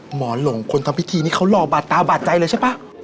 หลงคนทำพิธีนี้เขาหล่อบาดตาบาดใจเลยใช่ป่ะ